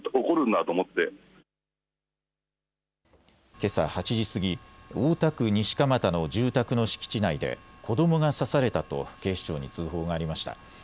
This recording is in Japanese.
けさ８時過ぎ、大田区西蒲田の住宅の敷地内で子どもが刺されたと警視庁に通報がありました。